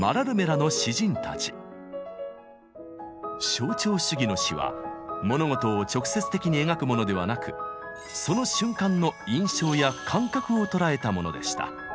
象徴主義の詩は物事を直接的に描くものではなくその瞬間の印象や感覚を捉えたものでした。